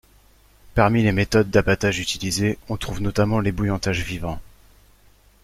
Parmi les méthodes d'abattage utilisées, on trouve notamment l'ébouillantage vivant.